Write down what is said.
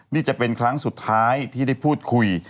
นี่จะเป็นครั้งสุดท้ายที่ได้พูดคุย